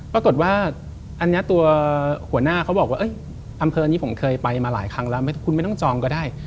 ปรากฎว่าอันนี้ข้อหัวก็บอกว่าเอ๊ยอำเภอผมเคยไปมาคลั้งนะคุณไม่ต้องจองก็ได้